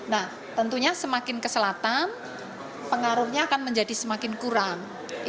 nah tentunya semakin ke selatan pengaruhnya akan menjadi semakin kurang